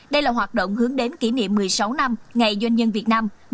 đây là hoạt động hướng đến kỷ niệm một mươi sáu năm ngày doanh nhân việt nam